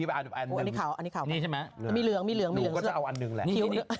อันนี้ข่าวอันนี้ข่าวนี่ใช่ไหมมีเหลืองมีเหลืองหนูก็จะเอาอันนึงแหละ